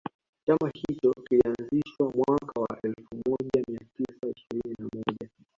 Chama hicho kilianzishwa mwaka wa elfumoja mia tisa ishirini na moja